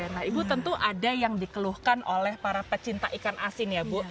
nah ibu tentu ada yang dikeluhkan oleh para pecinta ikan asin ya bu